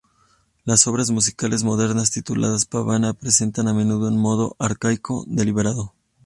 Las obras musicales modernas tituladas "Pavana" presentan a menudo un modo arcaico deliberado.